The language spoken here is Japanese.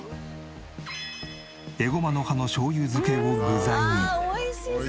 エゴマの葉のしょうゆ漬けを具材に。